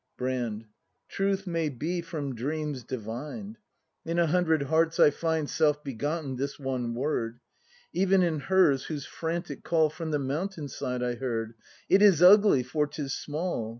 Brand. Truth may be from dreams divined. In a hundred hearts I find Self begotten this one word; Even in hers, whose frantic call From the mountain side I heard: "It is ugly, for 'tis small!"